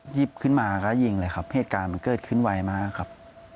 หยิบขึ้นมาก็ยิงเลยครับเหตุการณ์มันเกิดขึ้นไวมากครับ